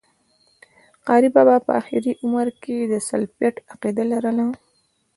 قاري بابا په آخري عمر کي د سلفيت عقيده لرله